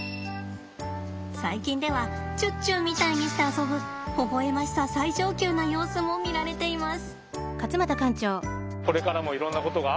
最近ではちゅっちゅみたいにして遊ぶほほ笑ましさ最上級な様子も見られています。